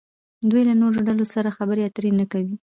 دوی له نورو ډلو سره خبرې اترې نه کوي.